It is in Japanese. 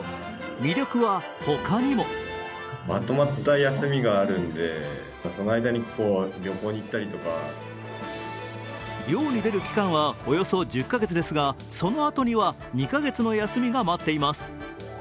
魅力はほかにも漁に出る期間はおよそ１０か月ですが、２か月の休みが待っています。